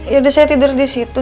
yaudah saya tidur disitu